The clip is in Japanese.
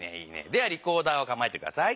ではリコーダーをかまえてください。